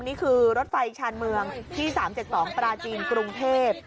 นี่คือรถไฟชาญเมืองที่๓๗๒ปราจีนกรุงเทพ